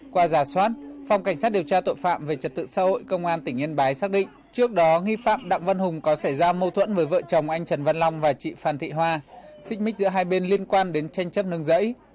qua giả soát phòng cảnh sát điều tra tội phạm về trật tự xã hội công an tỉnh yên bái xác định trước đó nghi phạm đặng văn hùng có xảy ra mâu thuẫn với vợ chồng anh trần văn long và chị phan thị hoa xích mít giữa hai bên liên quan đến tranh chấp nương dẫy